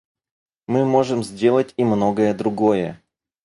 Мы можем сделать и многое другое.